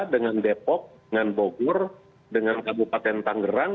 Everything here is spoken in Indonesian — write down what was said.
dengan depok dengan bogor dengan kabupaten tangerang